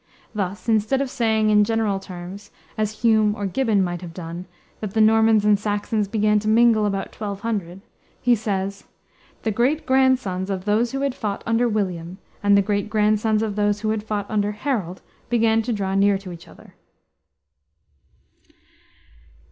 Thus, instead of saying, in general terms as Hume or Gibbon might have done that the Normans and Saxons began to mingle about 1200, he says: "The great grandsons of those who had fought under William and the great grandsons of those who had fought under Harold began to draw near to each other."